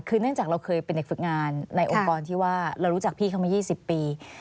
คือเนื่องจากเราเคยเป็นเด็กฝึกงานในองค์กรที่ว่าเรารู้จักพี่เขามา๒๐ปี